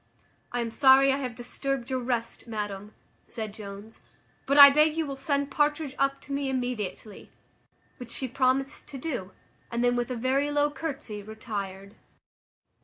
"I am sorry I have disturbed your rest, madam," said Jones, "but I beg you will send Partridge up to me immediately;" which she promised to do, and then with a very low courtesy retired.